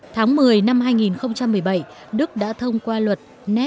tháng một mươi năm hai nghìn một mươi bảy đức đã thông qua luật